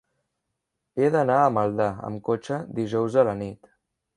He d'anar a Maldà amb cotxe dijous a la nit.